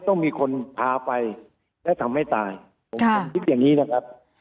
ต้องมีคนพาไปและทำให้ตายผมคิดอย่างนี้นะครับ